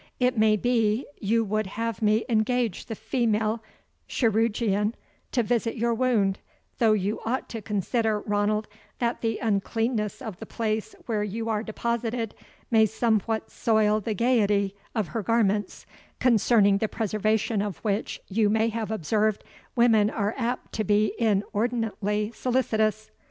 It may be, you would have me engage the female chirurgeon to visit your wound; though you ought to consider, Ranald, that the uncleanness of the place where you are deposited may somewhat soil the gaiety of her garments, concerning the preservation of which, you may have observed, women are apt to be inordinately solicitous.